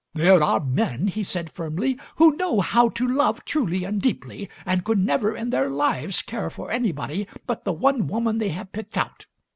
"There are men," he said firmly, "who know how to love truly and deeply, and could never in their lives care for anybody but the one woman they have picked out.